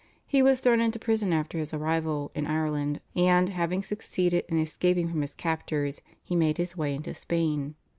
He was thrown into prison after his arrival in Ireland, and, having succeeded in escaping from his captors, he made his way into Spain.